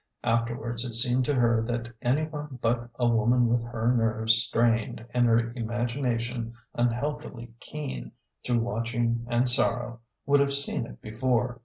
Afterwards it seemed to her that any one but a woman with her nerves strained, and her imagination unhealthily keen through watching and sorrow, would have seen it before.